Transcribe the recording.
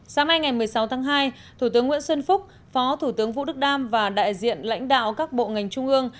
sáng nay ngày một mươi sáu tháng hai thủ tướng nguyễn xuân phúc phó thủ tướng vũ đức đam và đại diện lãnh đạo các bộ ngành trung ương